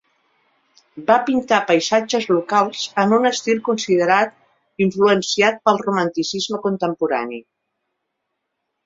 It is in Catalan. Va pintar paisatges locals en un estil considerat influenciat pel romanticisme contemporani.